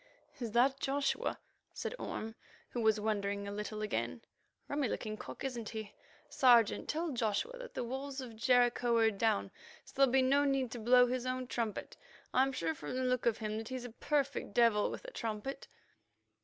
"Is that Joshua?" said Orme, who was wandering a little again. "Rummy looking cock, isn't he? Sergeant, tell Joshua that the walls of Jericho are down, so there'll be no need to blow his own trumpet. I'm sure from the look of him that he's a perfect devil with a trumpet."